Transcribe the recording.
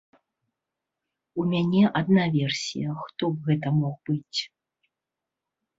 У мяне адна версія, хто б гэта мог быць.